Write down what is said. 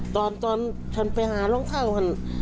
ตอนตอนฉันไปหาร้องเท้าฮัน